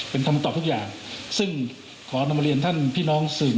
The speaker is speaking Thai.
เป็นคำตอบทุกอย่างขออนุมาเรียนพี่น้องศือ